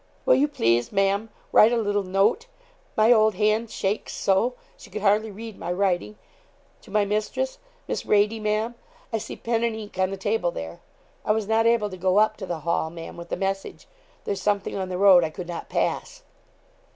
'Will you please, Ma'am, write a little note my old hand shakes so, she could hardly read my writing to my mistress Miss Radie, Ma'am. I see pen and ink on the table there. I was not able to go up to the Hall, Ma'am, with the message. There's something on the road I could not pass.'